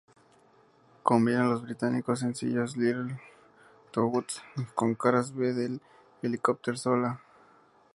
Combina los británicos sencillos "Little Thoughts" con caras B del "Helicopter" sola.